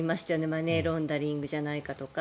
マネーロンダリングじゃないかとか。